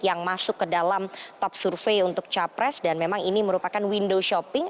yang masuk ke dalam top survei untuk capres dan memang ini merupakan window shopping